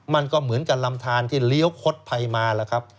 มันก็เหมือนกับลำทานที่เลี้ยวคดภัยมาแล้วครับ